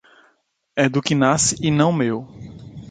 É do que nasce e não meu.